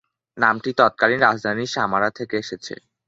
নামটি তৎকালীন রাজধানী সামারা থেকে এসেছে।